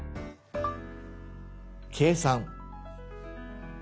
「計算」。